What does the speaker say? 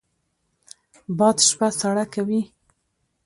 باد شپه سړه کوي